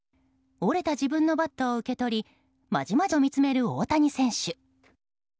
折れた自分のバットを受け取りまじまじと見つめる大谷選手。